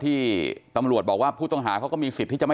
กลุ่มวัยรุ่นกลัวว่าจะไม่ได้รับความเป็นธรรมทางด้านคดีจะคืบหน้า